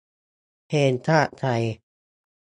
เพลงชาติไทย